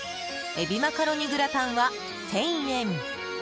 海老マカロニグラタンは１０００円。